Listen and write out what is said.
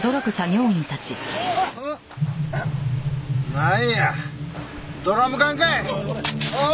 なんやドラム缶かい。